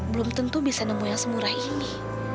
belum tentu bisa nemu yang semurah ini